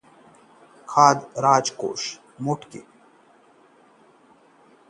‘खाद्य सुरक्षा कानून’ से राजकोषीय घाटा नहीं बढ़ेगा: मोंटेक